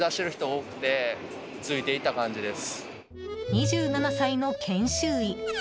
２７歳の研修医。